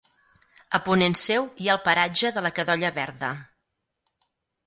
A ponent seu hi ha el paratge de la Cadolla Verda.